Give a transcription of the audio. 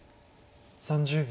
３０秒。